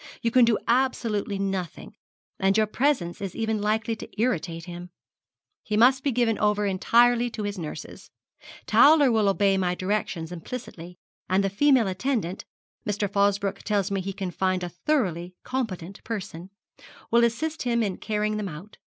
You can do absolutely nothing, and your presence is even likely to irritate him. He must be given over entirely to his nurses. Towler will obey my directions implicitly, and the female attendant Mr. Fosbroke tells me he can find a thoroughly competent person will assist him in carrying them out.